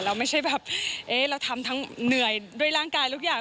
ไม่ใช่แบบเอ๊ะเราทำทั้งเหนื่อยด้วยร่างกายทุกอย่าง